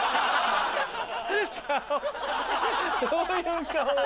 どういう顔だよ。